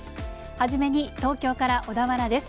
初めに東京から小田原です。